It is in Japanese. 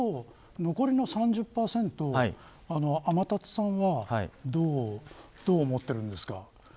そうすると残りの３０％天達さんはどう思っているんですか。